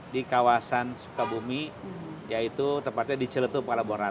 di kawasan sukabumi yaitu tempatnya di celetu pelabuhan ratu